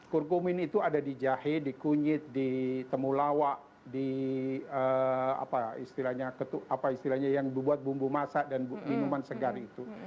kurkumin itu ada di jahe di kunyit di temulawak di apa istilahnya ketuk apa istilahnya yang dibuat bumbu masak dan minuman segar itu